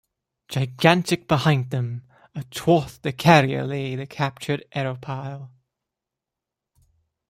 Gigantic behind them, athwart the carrier lay the captured aeropile.